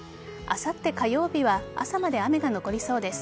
あさって火曜日は朝まで雨が残りそうです。